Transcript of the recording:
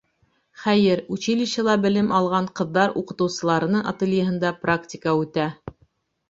Хәйер, училищела белем алған ҡыҙҙар уҡытыусыларының ательеһында практика үтә.